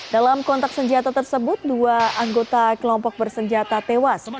dalam kontak senjata tersebut dua anggota kelompok bersenjata tewas